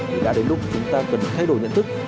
thì đã đến lúc chúng ta cần thay đổi nhận thức